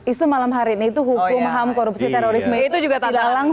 isu malam hari ini itu hukum hamp korupsi terorisme itu tidak langsung dikentut